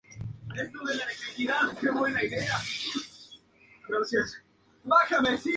Muchos aficionados consideran a este deporte un estilo de vida.